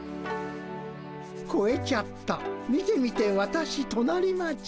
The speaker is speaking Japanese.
「こえちゃった見て見て私隣町」。